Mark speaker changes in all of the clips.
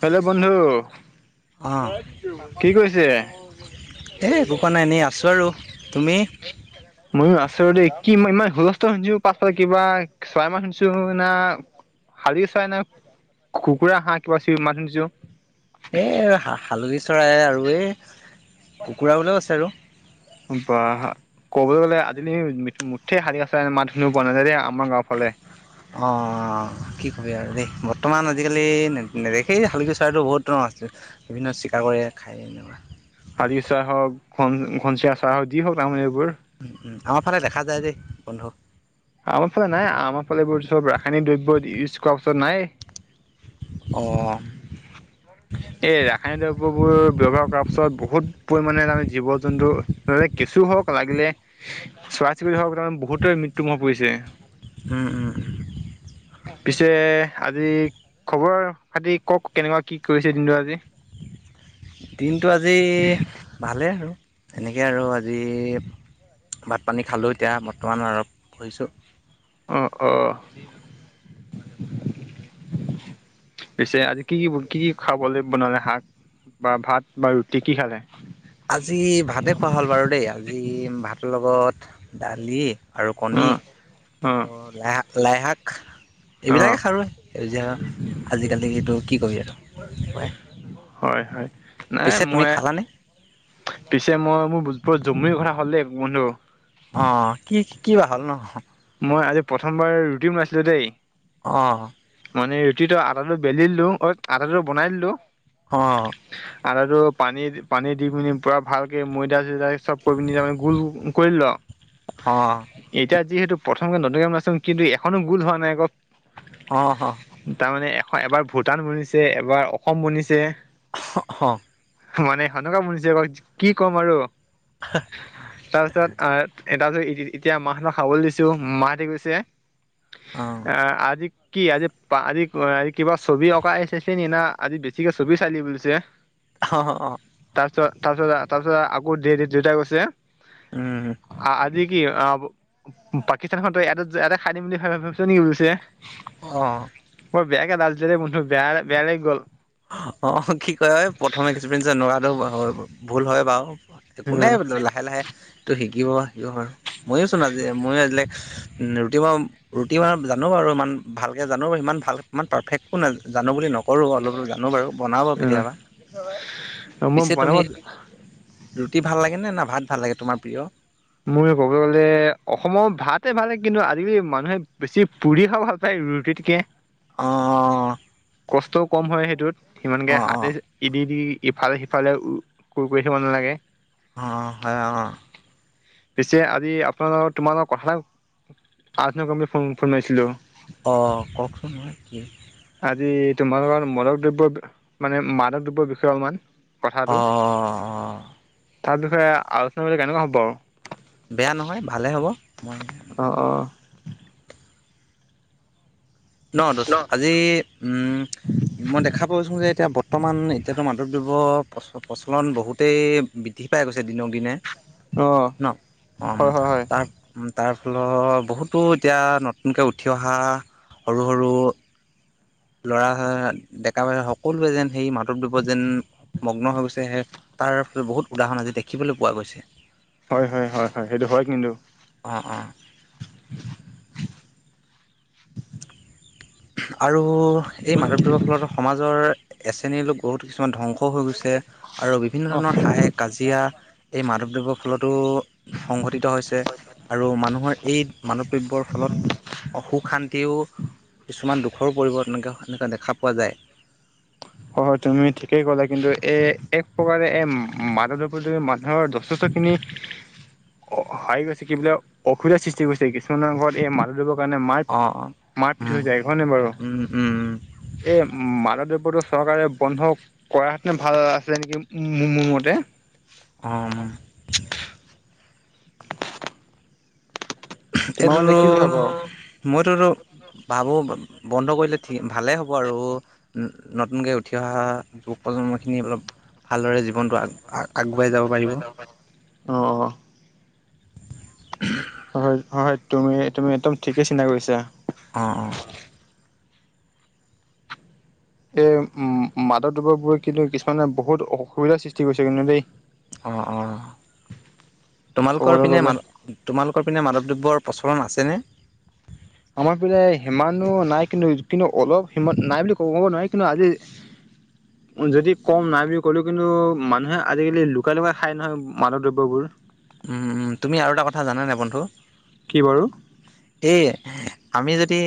Speaker 1: Hello বন্ধু
Speaker 2: অঁ
Speaker 1: কি কৰিছে?
Speaker 2: এ একো কৰা নাই, এনেই আছোঁ আৰু তুমি?
Speaker 1: ময়ো আছোঁ দেই, কি ইমান হুলস্থুল শুনিছো পাছফালে কিবা চৰাই মাত শুনিছো না, শালিকি চৰাই না। কুকুৰা হাঁহ কিবা চিঞ মাত শুনিছো।
Speaker 2: এই হালধি চৰাই আৰু এই কুকুৰাবিলাকো আছে আৰু।
Speaker 1: বা। ক'বলে গ'লে আজিকালি মুঠে শালিকা চৰাইৰ মাত শুনিব পোৱা নাযায় দেই, আমাৰ গাঁও ফালে।
Speaker 2: অঁ কি কবি আৰু দেই, বৰ্তমান আজিকালি নেদেখেই শালিকী চৰাইটো বহুত ধৰণৰ আছে। বিভিন্ন চিকাৰ কৰে খায় এনেকুৱা।
Speaker 1: শালিকী চৰাই হওঁক, ঘন ঘনচিৰিকা চৰাই হওঁক, যি হওঁক তাৰমানে এইবোৰ।
Speaker 2: উম' উম' আমাৰ ফালে দেখা যায় দেই বন্ধু।
Speaker 1: আমাৰ ফালে নাই, আমাৰ ফালে এইবোৰ চব ৰাসায়নিক দ্ৰব্য ইউজ কৰাৰ পাছত নাইয়ে।
Speaker 2: অঁ।
Speaker 1: এই ৰাসায়নিক দ্ৰব্যবোৰ ব্যৱহাৰ কৰাৰ পিছত বহুত পৰিমাণে মানে জীৱ জন্তু কেঁচু হওঁক লাগিলে, চৰাই চিৰিকতি হওঁক, তাৰমানে বহুতৰে মৃত্যুমুখত পৰিছে।
Speaker 2: উম', উম' উম '।
Speaker 1: পিছে আজি খবৰ খাতি কওঁক, কেনেকুৱা কি কৰিছে দিনটো আজি? [inaudible]
Speaker 2: দিনটো আজি ভালেই আৰু, এনেকে আৰু আজি। ভাত পানী খালোঁ এতিয়া, বৰ্তমান অলপ শুইছো।
Speaker 1: অঁ, অঁ। পিছে আজি কি- কি- কি- কি খাবলৈ বনালে শাক? বা ভাত বা ৰুটি কি খালে?
Speaker 2: আজি ভাতেই খোৱা হ'ল বাৰু দেই। আজি ভাতৰ লগত দালি। আৰু
Speaker 1: অ
Speaker 2: কণী
Speaker 1: অ
Speaker 2: আৰু লাইশাক- লাইশাক
Speaker 1: অ
Speaker 2: এইবিলাকে খালোঁ। সেউজীয়া শাক, আজি কালি এইটো কি কবি আৰু।
Speaker 1: হয়- হয়। নাই
Speaker 2: পিছে তুমি
Speaker 1: মই
Speaker 2: খালানে?
Speaker 1: পিছে মই মোৰ বৰ জমনি কথা হ'ল দেই বন্ধু।
Speaker 2: অঁ, কি- কি বা হ'ল নো?
Speaker 1: মই আজি প্ৰথমবাৰ ৰুটি বনাইছিলোঁ দেই।
Speaker 2: অ।
Speaker 1: মানে ৰুটিটো আতা টো বেলিলো অ, আতা বনাই দিলো
Speaker 2: অ।
Speaker 1: আতাটো পানী- পানী দি পিনি পুৰা ভাল ময়দা- চৈদা চব কৰি পিনি তাৰমানে গোল কৰিলো আৰু
Speaker 2: অ
Speaker 1: এতিয়া যিহেতু প্ৰথমকে নতুনকে বনাইছো কিন্তু এখনো গোল হোৱা নাই ক।
Speaker 2: অ, হ।
Speaker 1: তাৰমানে এ এবাৰ ভূটান বনিছে, এবাৰ অসম বনিছে।
Speaker 2: হ, হ।
Speaker 1: মানে সাধাৰণ বনিছে কি ক'ম আৰু। তাৰপিছত আহ, তাৰপিছত এতিয়া মাহঁতক খাবলৈ দিছো। মাহঁতে কৈছে
Speaker 2: অ
Speaker 1: আহ, আজি কি আজি পা, আজি আ কিবা ছবি অঁকাই চাইছে নি? না আজি বেছিকে ছবি চাই ল'ব লৈছে। অ।
Speaker 2: অ- অ- অ।
Speaker 1: তাৰপিছত- তাৰপিছত- তাৰপিছত, আকৌ দে- দে দেউতাই কৈছে
Speaker 2: উম
Speaker 1: আ, আজি কি অ, পাকিস্তানখনতো এটা - এটা খাই দিম বুলি ভাব ভাবিছ নেকি বুলি কৈছে।
Speaker 2: অ।
Speaker 1: বৰ বেয়াকে লাজ দিলে যে বন্ধু বেয়া-বেয়া লাগি গ'ল।
Speaker 2: অ, কি কয়, প্ৰথম এক্সপিৰিয়েঞ্চ এনেকুৱাটো ভুল হয় বাৰু।
Speaker 1: উম
Speaker 2: কোনে লাহে- লাহে তো শিকিব- শিকিব পাৰো। মইয়ো চোন আজি মইয়ো আজিলে ৰুটি মই, ৰুটি বাৰু জানো বাৰু। ইমান ভালকে জানো বাৰু সিমান ভাল ইমান পাৰ্ফেক্ট একো নাই জানো বুলি নকৰো। অলপ জানো বাৰু বনাবা কেতিয়াবা।
Speaker 1: উম মই
Speaker 2: পিছে
Speaker 1: বনাব
Speaker 2: তুমি ৰুটি ভাল লাগেনে না ভাত ভাল লাগে তোমাৰ প্ৰিয়?
Speaker 1: মোৰ ক'ব গ'লে অসমৰ ভাতে ভাল কিন্তু আজিকালি মানুহে বেছি পুৰি খাই পাই ৰুটিতকে
Speaker 2: অঁ, অ।
Speaker 1: কষ্টও কম হয়, সেইটোত সিমানকে
Speaker 2: অ'
Speaker 1: হাতে
Speaker 2: অ'
Speaker 1: ইদি দি ইফালে- সিফালে কুৰ কৰি থাকিব নালাগে।
Speaker 2: অঁ, হয় অঁ।
Speaker 1: পিছে আজি আপোনালোকৰ তোমালোকৰ কথা এটা আজনই কৰিম বুলি ফোন ফোন মাৰিছিলো।
Speaker 2: অ', কওকচোন হয় কি?
Speaker 1: আজি তোমালোকৰ মদক দ্ৰব্য মানে মাদক দ্ৰব্যৰ বিষয়ে অলপমান
Speaker 2: অ'
Speaker 1: কথাটো
Speaker 2: অ' অ'
Speaker 1: তাৰ বিষয়ে আলোচনা বুলি কেনেকুৱা হ'ব।
Speaker 2: বেয়া নহয় ভালে হ'ব মই ন দোস্ত আজি উম মই দেখা পাইছোঁ যে এতিয়া বৰ্তমান এতিয়াতো মাদক দ্ৰব্য প্ৰচ প্ৰচলন বহুতেই বৃদ্ধি পাই গৈছে দিনক দিনে
Speaker 1: অ অ
Speaker 2: ন
Speaker 1: অ হয় হয়
Speaker 2: তাৰ অ' তাৰফলত বহুতো এতিয়া নতুনকৈ উঠি অহা সৰু, সৰু ল'ৰা ডেকা বুঢ়া সকলোৱে যেন সেই মাদকদ্ৰৱত যেন মগ্ন হৈ গৈছে, তাৰ বহুত উদাহৰণ আজি দেখিবলৈ পোৱা গৈছে।
Speaker 1: হয়, হয়, হয়, হয় সেইটো হয় কিন্তু।
Speaker 2: অ', অ'। আৰু এই মাদকদ্ৰৱৰ ফলত সমাজৰ এ শ্ৰেণীৰ লোক বহুত কিছুমান ধ্বংসও হৈ গৈছে, আৰু বিভিন্ন
Speaker 1: অ
Speaker 2: ধৰণৰ হাই কাজিয়া এই মাদকদ্ৰব্যৰ ফলতো সংঘটিত হৈছে, আৰু মানুহৰ এই মাদকদ্ৰব্যৰ ফলত সুখ শান্তিও কিছুমান দুখৰো পৰিৱৰ্তনকে সেনেকুৱা দেখা পোৱা যায়।
Speaker 1: হয়, তুমি ঠিকেই ক'লা, কিন্তু এ এক প্ৰকাৰে এ মাদক দ্ৰব্যই তুমি মানুহৰ যথেষ্টখিনি অ', হাৰি গৈছে কি বোলে অসুবিধা সৃষ্টি কৰিছে কিছুমানৰ ঘৰত এই মাদক দ্ৰব্য কাৰণে মাৰ,
Speaker 2: অঁ অঁ।
Speaker 1: মাৰ পিঠ হৈ
Speaker 2: উম
Speaker 1: যায় হয় নে বাৰু
Speaker 2: উম উম উম
Speaker 1: এই মাদক দ্ৰৱ্যটো চৰকাৰে বন্ধ কৰা হেতেন ভাল আছিলে নেকি মোৰ মতে।
Speaker 2: অম।
Speaker 1: [inaudible] তোমাৰ মতে
Speaker 2: এইটোৰো
Speaker 1: কি বুলি ভাবা
Speaker 2: মইতোতো ভাবোঁ বন্ধ কৰিলে ভালেই হ'ব আৰু। নতুনকৈ উঠি অহা যুৱ প্ৰজন্মখিনি অলপ ভালদৰে জীৱনটো আগ আগুৱাই যাব পাৰিব।
Speaker 1: অ'।
Speaker 2: উ [unintelligible]
Speaker 1: হয়, হয় তুমি, তুমি একদম ঠিকেই চিন্তা কৰিছা।
Speaker 2: অ', অ'।
Speaker 1: এই উম, উম মাদক দ্ৰব্যবোৰ কিন্তু কিছুমানে বহুত অসুবিধাৰ সৃষ্টি কৰিছে কিন্তু দেই।
Speaker 2: অ', অ', তোমালোকৰ
Speaker 1: ক'বলৈ
Speaker 2: পিনে
Speaker 1: গ'লে
Speaker 2: মানু তোমালোকৰ পিনে মাদকদ্ৰব্যৰ প্ৰচলন আছেনে?
Speaker 1: আমাৰ পিনে সিমানো নাই কিন্তু, কিন্তু অলপ সি নাই বুলি ক'ব ক'ব নোৱাৰি, কিন্তু আজি [inaudible] যদি কম নাই বুলি ক'লোঁ কিন্তু মানুহে আজিকালি লুকাই, লুকাই খাই নহয় মাদক দ্ৰব্যবোৰ।
Speaker 2: তুমি আৰু এটা কথা জানা নে বন্ধু।
Speaker 1: কি বাৰু?
Speaker 2: সেয়ে এই আমি যদি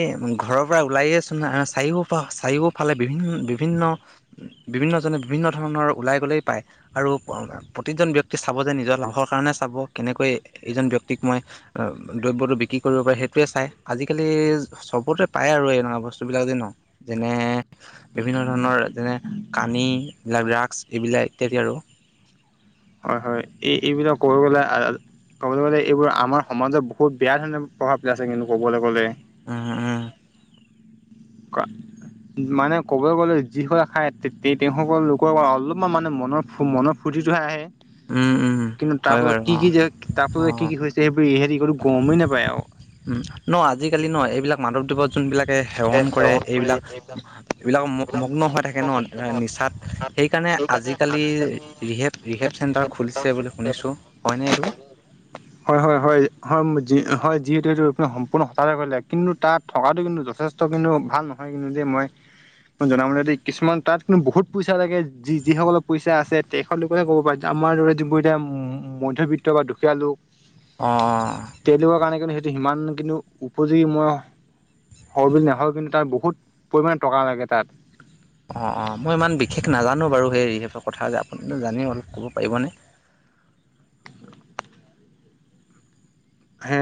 Speaker 2: ঘৰৰ পৰা ওলাই আছো চাৰিও পা চাৰিও ফালে বিভিন্ন, বিভিন্ন বিভিন্নজনে বিভিন্ন ধৰণৰ ওলাই গ'লেই পায়। আৰু প্ৰতিজন ব্যক্তিয়ে চাব যে নিজৰ লাভৰ কাৰণে চাব কেনেকৈ এইজন ব্যক্তিক মই দ্ৰব্যটো বিক্ৰী কৰিব পাৰে সেইটোয়ে চাই আজিকালি সবতে পায় আৰু এনেকোৱা বস্তু বিলাক যে ন যেনে বিভিন্ন ধৰণৰ যেনে কানী [unintelligible] ড্ৰাগছ এইবিলাক ইত্যাদি আৰু
Speaker 1: হয়। হয়। এই এইবিলাক কৰোৱালে ক'বলৈ গ'লে এইবোৰ আমাৰ সমাজত বহুত বেয়া ধৰণৰ প্ৰভাৱ পেলাই আছে। কিন্তু ক'বলৈ গ'লে
Speaker 2: উম', উম
Speaker 1: কা, মানে ক'ব গ'লে যি হয় খায় তেওঁসকল লোকৰ পৰা অলপমান মানে মনৰ মনৰ ফূৰ্তিটোহে আহে
Speaker 2: উম উম
Speaker 1: কিন্তু
Speaker 2: হয়
Speaker 1: তাৰপাছত
Speaker 2: বাৰু
Speaker 1: কি
Speaker 2: অ
Speaker 1: কি যে,
Speaker 2: অ
Speaker 1: তাৰপাছত কি কি হৈছে। সেইবোৰ হেৰি কৰি গমেই নাপায় আৰু
Speaker 2: উম', ন আজিকালি ন এইবিলাক মাদক দ্ৰব্যত যোনবিলাকে সেৱন কৰে। এইবিলাক এইবিলাক মগ্ন হৈ থাকে ন নিচাত সেইকাৰণে আজিকালি ৰিহেপ ৰিহেপ চেণ্টাৰ খুলিছে বুলি শুনিছোঁ হয়নে? এইটো
Speaker 1: [inaudible] হয়। হয়। হয়। হয়। হয়। যি যিহেতু এইটো সম্পূৰ্ণ হতাতে কৰিলে, কিন্তু তাত থকাটো কিন্তু, যথেষ্ট ত', কিন্তু ভাল নহয়। কিন্তু দে মই মই জনামতে কিছুমান তাত কিন্তু বহুত পইচা লাগে। যি যিসকলৰ পইচা আছে। তখেত লোকেহে ক'ব পাৰে। আমাৰ দৰে যিবোৰ এতিয়া মধ্যবিত্ত বা দুখীয়া লোক
Speaker 2: অ', অ,
Speaker 1: তেওলোকৰ কাৰণে কিন্তু সেইটো সিমান কিন্তু উপযোগী ময় হয়। বুলি নেভাবো কিন্তু তাত বহুত পৰিমাণে টকা লাগে। তাত
Speaker 2: অ', অ, মই ইমান বিশেষ নাজানো বাৰু সেই ৰিহেপৰ কথা যে, আপুনি জানি অলপ ক'ব পাৰিবনে?
Speaker 1: হে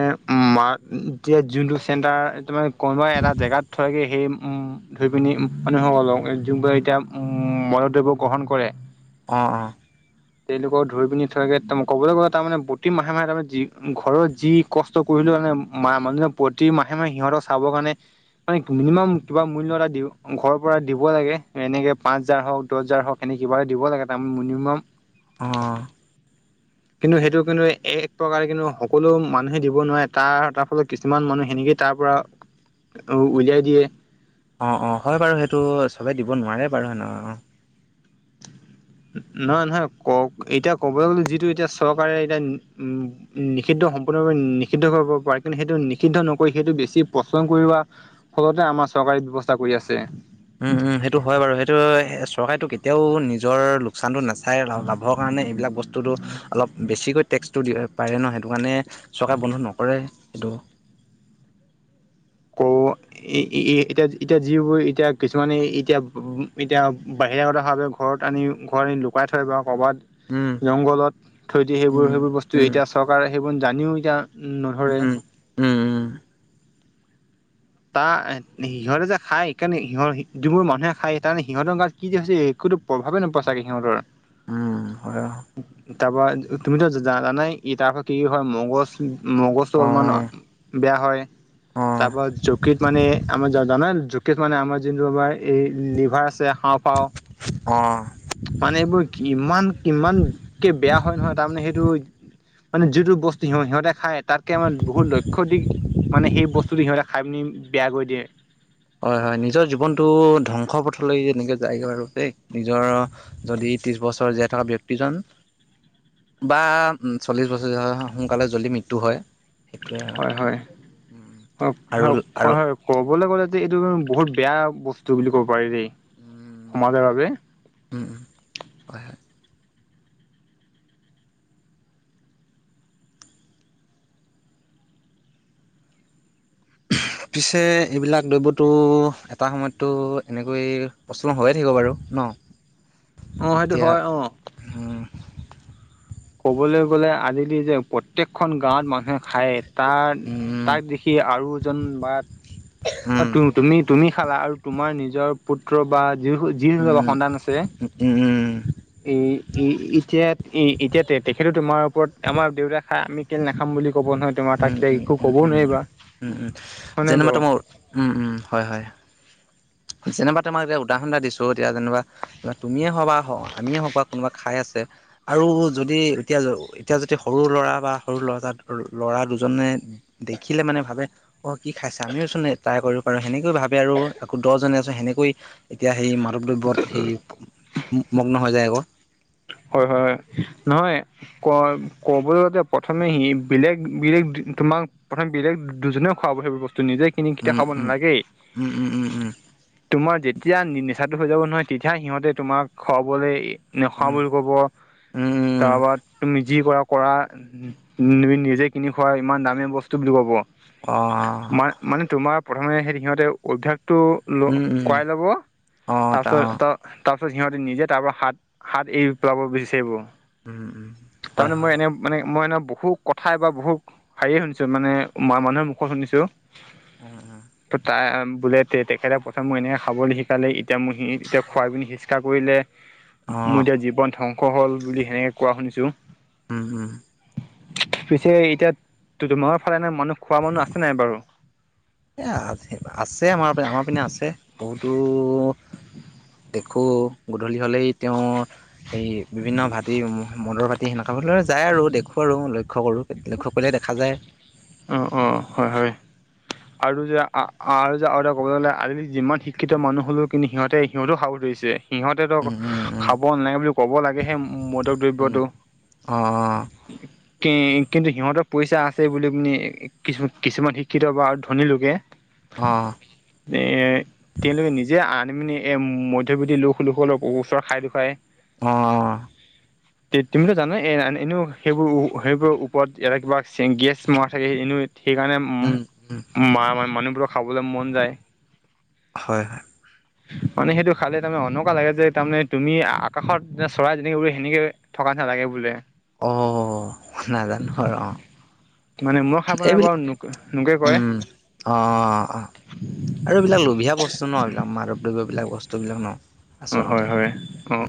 Speaker 1: মাক এতিয়া জোনটো চেণ্ডাৰ‌ তোমাৰ কোনোবাই এটা জেগাত থয়গে সেই উম, ধৰি পিনি মানুহসকলক যোনবোৰ এতিয়া মাদক দ্ৰব্য গ্ৰহণ কৰে।
Speaker 2: অ', অ,
Speaker 1: তেওঁলোকক ধৰি পিনি থৈগে ক'বলৈ গ'লে তাৰমানে প্ৰতি মাহে মাহে তাৰমানে যি ঘৰৰ যি কষ্ট কৰিলে মনে মা মানুহে প্ৰতি মাহে মাহে সিহঁতক চাবৰ কাৰণে মানে মিনিমাম কিবা মূল্য এটা দি ঘৰৰ পৰা দিব লাগে। এনেকে পাঁচ হাজাৰ হওঁক, দহ হাজাৰ হওক। এনে কিবা এটা দিব লাগে। তাৰমান মিনিমাম
Speaker 2: অ',
Speaker 1: কিন্তু সেইটো কিন্তু এক প্ৰকাৰে কিন্তু সকলো মানুহে দিব নোৱাৰে। তাৰ তাৰ ফলত কিছুমান মানুহ সেনেকে তাৰ পৰা উলিয়াই দিয়ে।
Speaker 2: অ', অ, হয়, বাৰু সেইটো চবে দিব নোৱাৰে, বাৰু হেনে অ,
Speaker 1: নহয়। নহয়। ক এতিয়া ক'বলৈ গ'লে যিটো এতিয়া চৰকাৰে এতিয়া উম, নিষিদ্ধ সম্পূৰ্ণৰূপে নিষিদ্ধ কৰিব পাৰে। কিন্তু সেইটো নিষিদ্ধ নকৰি সেইটো বেছি পচন্দ কৰিবা ফলতে আমাৰ চৰকাৰী ব্যৱস্থা কৰি আছে।
Speaker 2: উম', উম, সেইটো হয়, বাৰু সেইটো চৰকাৰে কেতিয়াওঁ নিজৰ লোকচানতো নাচ চাই লাভৰ কাৰণে এইবিলাক বস্তুটো অলপ বেছিকৈ টেক্স টো দি পাৰে ন। সেইটো কাৰণে চৰকাৰে বন্ধ নকৰে সেইটো।
Speaker 1: কৌ অ, এতিয়া এতিয়া যিবোৰ এতিয়া কিছুমানে এতিয়া এতিয়া বাহিৰা গত ভাৱে ঘৰত আনি ঘৰত আনি লুকাই থয় বা কৰ'ৰবাত
Speaker 2: উম',
Speaker 1: জংঘলত থৈ দি সেইবোৰ
Speaker 2: উম
Speaker 1: সেইবোৰ বস্তু
Speaker 2: উম
Speaker 1: এতিয়া চৰকাৰে সেইবোৰ জানিওঁ এতিয়া নধৰে।
Speaker 2: উম উম উম
Speaker 1: তাৰ সিহঁতে যে খায় কাৰণে সিহঁৰ যিবোৰ মানুহে খায় তাৰমানে সিহঁতৰ গাত কি যে হৈছে। একো প্ৰভাৱে নপৰে ছাগৈ সিহঁতৰ।
Speaker 2: উম', হয়।
Speaker 1: তাৰ পৰা তুমিতো জ'- জানাই ই' তাৰ পৰা কি হয়, মগজ- মগজটো অলমান
Speaker 2: অঁ
Speaker 1: বেয়া হয়,
Speaker 2: অঁ
Speaker 1: তাৰপা যকৃত মানে আমাৰ জানাই যকৃত মানে আমাৰ যোনটো আমাৰ এই লিভাৰ আছে। হাওঁফাওঁ
Speaker 2: অ',।
Speaker 1: মানে এইবোৰ কিমান কিমানকে বেয়া হয় নহয়। তাৰমানে সেইটো মানে যিটো বস্তু সিহ সিহঁতে খায়, তাতকে আমাৰ বহুত লক্ষ্য দি মানে সেই বস্তুটো সিহঁতে খাই পিনি বেয়া কৰি দিয়ে।
Speaker 2: হয়', হয়', নিজৰ জীৱনটো ধ্বংস পথলৈ এনেকে যায়গৈ আৰুা দেই। নিজৰ যদি ত্ৰিশ বছৰ জীয়াই থকা ব্যক্তিজন বা চল্লিছ বছৰ জীয়াই থকা সোনকালে যদি মৃত্যু হয়। সেইটোৱে
Speaker 1: হয়', হয়',
Speaker 2: আৰু আৰু আৰু
Speaker 1: হয়', হয়',। ক'বলৈ গ'লে যে এইটো বহুত বেয়া বস্তু বুলি ক'ব পাৰি দেই, সমাজৰ বাবে।
Speaker 2: উম', উম', হয়', হয়',। পিছে এইবিলাক দ্ৰব্যটো এটা সময়ততো এনেকৈ প্ৰচলন হৈয়ে থাকিব বাৰু ন'।
Speaker 1: অ', সেইটো হয় অ'।
Speaker 2: হুম',।
Speaker 1: ক'বলৈ গ'লে আজি যে প্ৰত্যেকখন গাঁৱত মানুহে খায়, তাৰ
Speaker 2: উম,
Speaker 1: তাক দেখি আৰু এজন বা অ'
Speaker 2: উম,
Speaker 1: তুমি- তুমি খালা আৰু তোমাৰ নিজৰ পুত্ৰ বা যি যি
Speaker 2: উম,
Speaker 1: সন্তান আছে।
Speaker 2: উম, উম, উম,
Speaker 1: এ' এতিয়া- এতিয়াত তেখেতো তোমাৰ ওপৰত আমাৰ দেউতা খায় আমি কেলে নাখাম। বুলি ক'ব নহয় তোমাৰ তাক
Speaker 2: উম,
Speaker 1: একো
Speaker 2: উম,
Speaker 1: ক'বওঁ
Speaker 2: উম,
Speaker 1: নোৱাৰিবা।
Speaker 2: উম, উম,
Speaker 1: হয় নাই
Speaker 2: যেনে
Speaker 1: বাৰু?
Speaker 2: মাত্ৰ মোৰ উম', উম', হয়', হয়',। যেনিবা তোমাক এতিয়া উদাহৰণ এটা দিছো, এতিয়া যেনিবা তুমিয়ে হওঁক বা আমিয়ে হওঁক বা কোনোবা খাই আছে। আৰু যদি এতিয়া- এতিয়া যদি সৰু ল'ৰা বা সৰু ল'ৰা- ল'ৰা দুজনে দেখিলে মানে ভাবে অ' কি খাইছে আমিওঁ চোন ট্ৰাই কৰিব পাৰো, সেনেকৈও ভাবে আৰু। দহজনে আছে সেনেকৈ এতিয়া সেই মাদক দ্ৰব্যত সেই মগ্ন হৈ যায় আকৌ।
Speaker 1: হয়', হয়', হয়',। নহয় ক'- ক'বলৈ যাতে প্ৰথমে সি বেলেগ- বেলেগ তোমাক প্ৰথম বেলেগ দুজনেও খুৱাব সেই বস্তু, নিজে কিনি কেতিয়াও
Speaker 2: উম
Speaker 1: খাব নালাগেই।
Speaker 2: উম', উম', উম', উম',।
Speaker 1: তোমাৰ যেতিয়া নিচাটো হৈ যাব নহয়, তেতিয়া সিহঁতে তোমাক খুৱাবলৈ
Speaker 2: উম
Speaker 1: নেখুৱাবলৈ ক'ব
Speaker 2: উম উম উম
Speaker 1: তাৱাত তুমি যি কৰা কৰা। উম', তুমি নিজে কিনি খোৱা ইমান দামী বস্তু বুলি ক'ব।
Speaker 2: অ',।
Speaker 1: মা মানে তোমাৰ প্ৰথমে সেই সিহঁতে অভ্যাসটো ল'
Speaker 2: উম উম
Speaker 1: কৰাৱই ল'ব।
Speaker 2: অ ত
Speaker 1: তাৰপিছত ত' তাৰ পিছত সিহঁতে নিজে তাৰ পৰা হাত- হাত এৰি পেলাব বিচাৰিব।
Speaker 2: উম', উম', হয়',
Speaker 1: তাৰমানে মই
Speaker 2: হয়',।
Speaker 1: এনে মানে মই এনে বহু কথাই বা বহু হেৰিয়ে শুনিছো মানে, মানুহৰ মুখত শুনিছোঁ।
Speaker 2: অ', অ',।
Speaker 1: ত তা বোলে তে তেখেতে প্ৰথম এনেকে খাবলৈ শিকালে এতিয়া মই সি এতিয়া খুৱাই পিনি হিস্কাৰ কৰিলে।
Speaker 2: অ
Speaker 1: মোৰ এতিয়া জীৱন ধ্বংস হল বুলি সেনেকে কোৱা শুনিছো।
Speaker 2: Home home.
Speaker 1: পিছে এতিয়া তোমালোকৰ ফালে মানুহ খোৱা মানুহ আছে নাই বাৰু?
Speaker 2: এই আ আছে আমাৰ পিনে আমাৰ পিনে আছে। বহুতো- দেখো গধূলি হলেই তেওঁৰ এই বিভিন্ন ভাটী মদৰ ভা- তি সেনেকুৱা বতৰত যায় আৰু দেখোঁ আৰু লক্ষ্য কৰোঁ লক্ষ্য কৰিলে দেখা যায়।
Speaker 1: অঁ অঁ হয় হয়। আৰু যে আ আৰু যে আৰু এটা কৰিবলৈ গ'লে আজিকালি যিমান শিক্ষিত মানুহ হ'লেও কিন্তু সিহঁতে সিহঁতও খাবলৈ ধৰিছে। সিহঁতেতো
Speaker 2: উম উম উম
Speaker 1: খাব নালাগে বুলি ক'ব লাগে সে মদৰ
Speaker 2: উম
Speaker 1: দ্ৰব্যটো।
Speaker 2: অঁ
Speaker 1: কি কিন্তু সিহঁতৰ পইচা আছে বুলি মানি কিছু কিছুমান শিক্ষিত বা- ধনী লোকে-
Speaker 2: অঁ।
Speaker 1: এ- তেওঁলোকে নিজে আনি পিনে এ মধ্যবিত্ত লোক লোকসকলক ওচৰৰত খাই দেখুৱাই।
Speaker 2: অ।
Speaker 1: [inaudible] টো তুমিতো জানাই এ এনেও সেইবোৰ সেইবোৰৰ ওপৰত এটা কিবা চেংগিয়েছ মৰা থাকে এনেও। সেইকাৰণে-
Speaker 2: উম উম
Speaker 1: মা মানুহবোৰৰ খাবলৈ মন যায়।
Speaker 2: হয়।
Speaker 1: [inaudible] মানে সেইটো খালে তাৰমানে এনকুৱা লাগে যে তাৰমানে তুমি আকাশত যে চৰাই যেনেকে উৰে সেনেকে- থকা নিচিনা লাগে বোলে।
Speaker 2: অ নাজানো আৰু অ।
Speaker 1: মানে মই খাই পোৱা নাই বাৰু নোকে কয়।
Speaker 2: অ আৰু এইবিলাক লোভিয়া বস্তু ন, এইবিলাক মাদৱ দ্ৰব্য এইবিলাক বস্তু বিলাক ন।
Speaker 1: অঁ
Speaker 2: আচলতে
Speaker 1: হয় হয় অঁ।